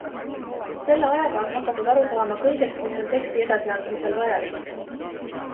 Selle ajaga on hakatud aru saama kõigest, mis on teksti edasiandmisel vajalik.